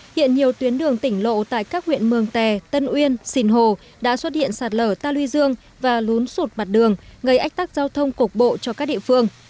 hiện nhiều tuyến đường tỉnh lộ tại các huyện mường tè tân uyên xìn hồ đã xuất hiện sạt lở ta luy dương và lún sụt mặt đường gây ách tắc giao thông cục bộ cho các địa phương